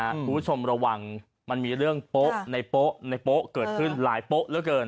คุณผู้ชมระวังมันมีเรื่องโป๊ะในโป๊ะในโป๊ะเกิดขึ้นหลายโป๊ะเหลือเกิน